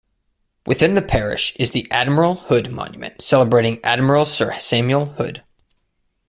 Within the parish is the Admiral Hood Monument celebrating Admiral Sir Samuel Hood.